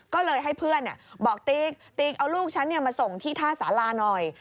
ก็เลยให้เพื่อนบอกติ๊กเอาลูกฉันมาส่งที่ท่าสาราหน่อย